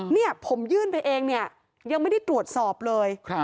นี่ผมยื่นไปเองยังไม่ได้ตรวจสอบเลย